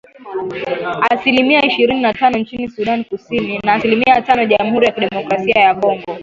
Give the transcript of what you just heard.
Asilimia ishirini na tano nchini Sudan Kusini na asilimia tano Jamuhuri ya Kidemokrasia ya Kongo